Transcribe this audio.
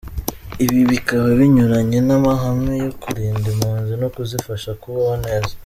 Ibi bikaba binyuranye n’amahame yo kurinda impunzi no kuzifasha kubaho neza.